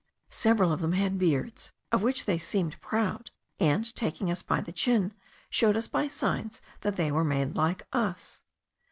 Several of them had beards, of which they seemed proud; and, taking us by the chin, showed us by signs, that they were made like us.